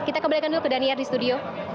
kita kembalikan dulu ke daniar di studio